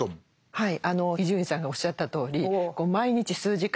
はい。